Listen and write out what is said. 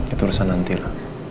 itu urusan nanti lah